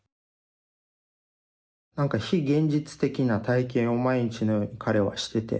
非現実的な体験を毎日のように彼はしてて。